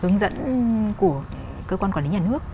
hướng dẫn của cơ quan quản lý nhà nước